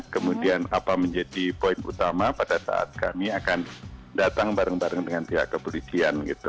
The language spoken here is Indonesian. kemudian apa menjadi poin utama pada saat kami akan datang bareng bareng dengan pihak kepolisian gitu